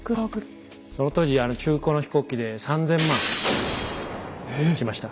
その当時中古の飛行機で３０００万しました。